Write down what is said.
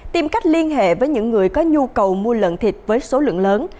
tìm cách liên hệ với những người có nhu cầu mua lợn thịt với số lượng lớn